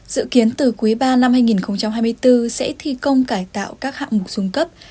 dự kiến từ quý ba năm hai nghìn hai mươi bốn sẽ thi công cải tạo các hạng mục xuống cấp